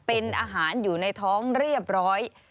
เป็นอาหารอยู่ในท้องเรียบร้อย